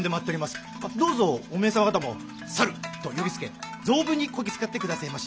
どうぞおめえ様方も「猿！」と呼びつけ存分にこき使ってくだせぇまし！